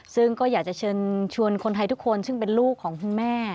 ซึ่งก็อยากจะเชิญชวนคนไทยทุกคนซึ่งเป็นลูกของคุณแม่